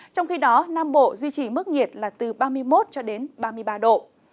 trong khi đó nam bộ duy trì mức nhiệt là từ ba mươi một cho đến ba mươi ba độ